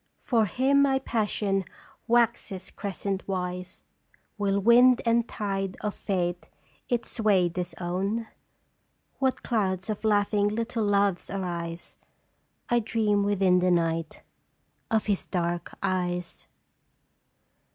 "For him my passion waxes crescent wise ; Will wind and tide of Fate its sway disown? What clouds of laughing little Loves arise ! I dream within the night of his dark eyes."